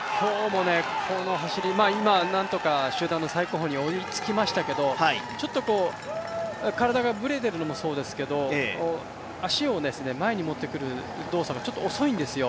今、なんとか集団の最後方に追いつきましたけどちょっと体がぶれてるのもそうですけど足を前に持ってくる動作がちょっと遅いんですよ。